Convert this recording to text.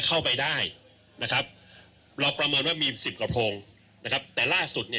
เข้าไปได้นะครับเราประเมินว่ามีสิบกระโพงนะครับแต่ล่าสุดเนี่ย